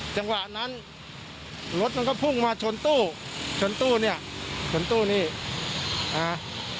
จังหวะนั้นรถมันก็พุ่งมาชนตู้ชนตู้เนี่ยชนตู้นี่อ่า